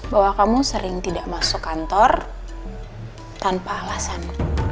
bahwa kamu sering tidak masuk kantor tanpa alasan